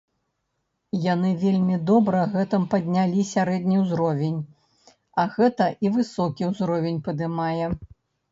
Яны вельмі добра гэтым паднялі сярэдні ўзровень, а гэта і высокі ўзровень падымае.